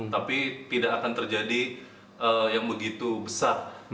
tapi tidak akan terjadi yang begitu besar